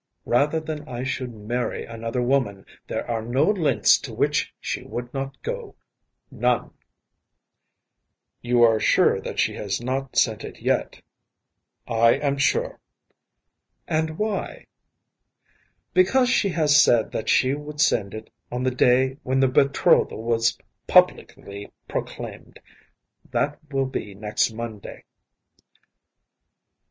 Rather than I should marry another woman, there are no lengths to which she would not go‚ÄĒnone.‚ÄĚ “You are sure that she has not sent it yet?‚ÄĚ “I am sure.‚ÄĚ “And why?‚ÄĚ “Because she has said that she would send it on the day when the betrothal was publicly proclaimed. That will be next Monday.